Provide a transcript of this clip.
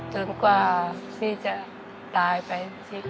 กว่าพี่จะตายไป